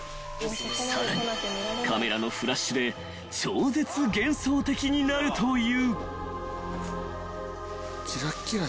［さらにカメラのフラッシュで超絶幻想的になるという］